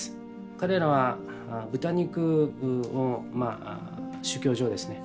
彼らは豚肉を宗教上ですね